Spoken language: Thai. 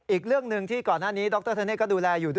อีกเรื่องหนึ่งที่ก่อนหน้านี้ดรธเนธก็ดูแลอยู่ด้วย